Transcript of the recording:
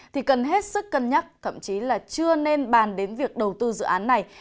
thì cần hết sức cân nhắc thậm chí là chưa nên bàn đến việc đầu tư dự án này